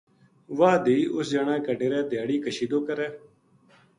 واہ دھی اُس جنا کے ڈیرے دھیاڑی کشیدو کرے